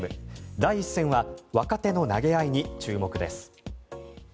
第１戦は若手の投げ合いに注目です。